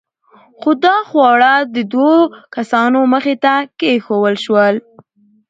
خو دا خواړه د دوو دوو کسانو مخې ته کېښوول شول.